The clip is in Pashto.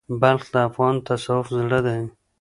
بلخ د افغان تصوف زړه دی.